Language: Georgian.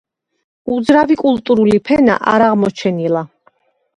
უძრავი კულტურული ფენა არ აღმოჩენილა.